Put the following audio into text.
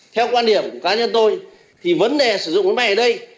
theo quan điểm của cá nhân tôi vấn đề sử dụng máy bay ở đây